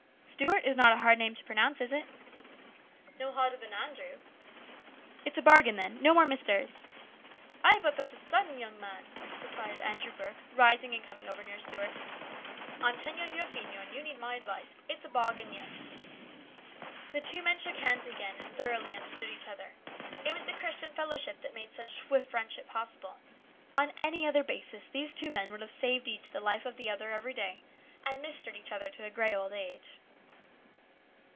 "'Stuart' is not a hard name to pronounce, is it?" " No harder than ' Andrew.' "" It's a bargain then. No more ' Misters.' "" Eh ! but this is sudden, young man," replied Andrew Burke, rising and coming over nearer Stuart. " I'm ten years your senior, and you need my advice. It's a bargain, yes." The two men shook hands again, and thoroughly understood each other. It was the Christian fellow ship that made such swift friendship possible. On any other basis these two men would have saved each the life of the other every day and " mistered " each other to a grey old age.